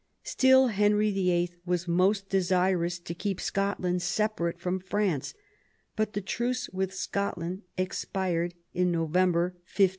Still Henry "VTII. was most desirous to keep Scotland separate from France ; but the truce with Scotland expired in November 1520.